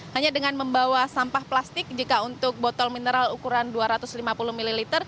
hanya dengan membawa sampah plastik jika untuk botol mineral ukuran dua ratus lima puluh ml